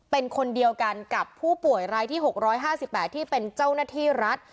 เป็นคนเดียวกันกับผู้ป่วยรายที่๖๕๘ที่เป็นเจ้าหน้าที่รัฐ